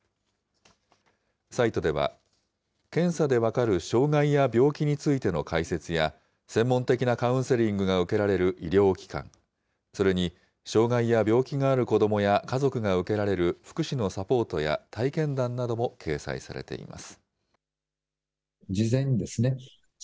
サイトでは、検査で分かる障害や病気についての解説や専門的なカウンセリングが受けられる医療機関、それに障害や病気がある子どもや家族が受けられる福祉のサポートや体験談なども掲載されています。